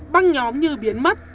băng nhóm như biến mất